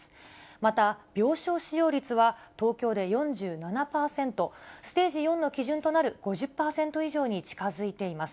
また、病床使用率は東京で４７％、ステージ４の基準となる５０％以上に近づいています。